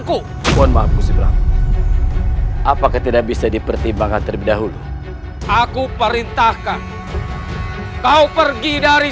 ku mohon maaf apakah tidak bisa dipertimbangkan terlebih dahulu aku perintahkan kau pergi dan pergi